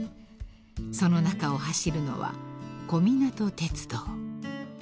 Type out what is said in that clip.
［その中を走るのは小湊鐵道］